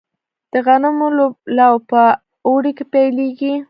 د غنمو لو په اوړي کې پیلیږي.